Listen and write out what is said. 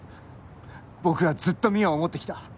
僕はずっと望緒を思ってきた。